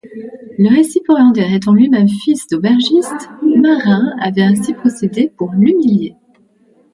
Le récipiendaire étant lui-même fils d'aubergiste, Marin avait ainsi procédé pour l'humilier.